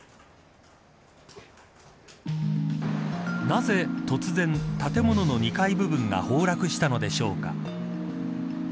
なぜ突然、建物の２階部分が崩落したのでしょうか。